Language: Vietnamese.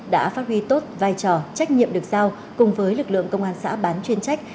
đã phát huy tốt vai trò trách nhiệm được giao cùng với lực lượng công an xã bán chuyên trách